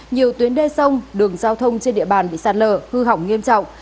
nhiều tuyến đê sông đường giao thông trên địa bàn bị sạt lở hư hỏng nghiêm trọng